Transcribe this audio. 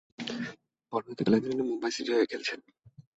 পরবর্তীকালে, তিনি মুম্বই সিটির হয়ে খেলেছেন।